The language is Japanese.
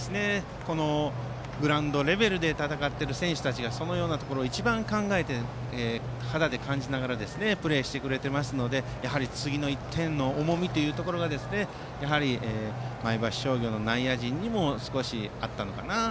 やはりグラウンドレベルで戦っている選手たちがそのようなことを一番考えて肌で感じながらプレーしてくれていますので次の１点の重みというところが前橋商業の内野陣にも少しあったのかなと。